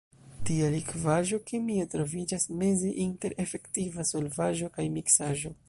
Tia likvaĵo kemie troviĝas meze inter efektiva solvaĵo kaj miksaĵo.